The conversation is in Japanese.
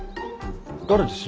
誰です？